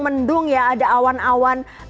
mendung ya ada awan awan